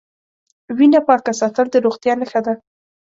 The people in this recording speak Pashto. وینه پاکه ساتل د روغتیا نښه ده.